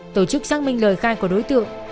tổ chức xác minh lời khai của đối tượng